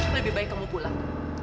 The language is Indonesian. lebih baik kamu pulang